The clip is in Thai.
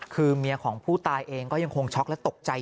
คิดว่ามีของผู้ตายเองก็ยังคงช็อกแล้วตกด้วยนะ